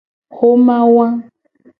Xoma wa.